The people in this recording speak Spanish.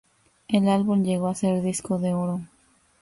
El álbum llegó a ser disco de oro.